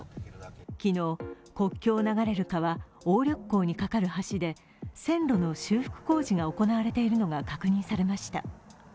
昨日、国境を流れる川、鴨緑江をに架かる橋で線路の修復工事が行われているのが確認されました。